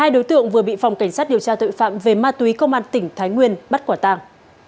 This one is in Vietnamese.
hai đối tượng vừa bị phòng cảnh sát điều tra tội phạm về ma túy công an tỉnh thái nguyên bắt quả tàng